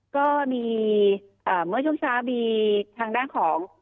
ก็มีเมื่อช่วงเช้ามีทางด้านของ